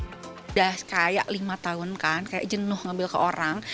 sudah seperti lima tahun kan seperti jenuh mengambil ke orang